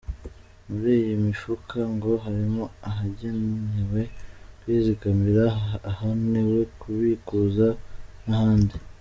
Muri iyi mifuka ngo harimo ahagenewe kwizigamira, ahanewe kubikuza, n’ ahandi.